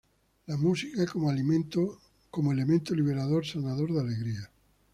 La música como elemento liberador, sanador de alegría.